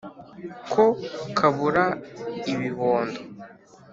ko kabura ibibondo